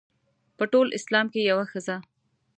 په ټول اسلام کې یوه ښځه.